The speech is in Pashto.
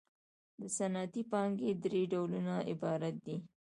د صنعتي پانګې درې ډولونه عبارت دي